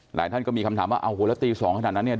หลายท่านก็มีคำถามว่าอ้าวหัวละตีสองขนาดนั้นเนี่ย